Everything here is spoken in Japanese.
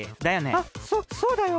あっそっそうだよ！